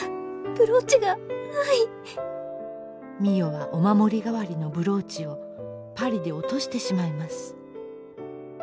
美世はお守り代わりのブローチをパリで落としてしまいます。